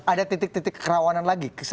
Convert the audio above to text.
ada titik titik kerawanan lagi